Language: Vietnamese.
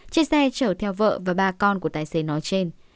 trên xe chở theo vợ và ba con của tài xế nói trên